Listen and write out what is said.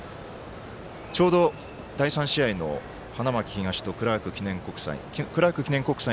ちょうど、第３試合の花巻東とクラーク記念国際。